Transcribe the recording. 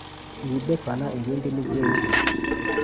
ibidepana ibindi ni byinshi